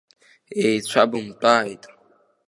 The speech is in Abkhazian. Еицәабымтәааит.